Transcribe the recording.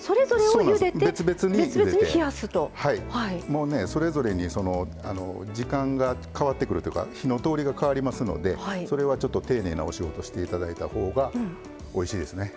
もうねそれぞれに時間が変わってくるというか火の通りが変わりますのでそれはちょっと丁寧なお仕事をして頂いたほうがおいしいですね。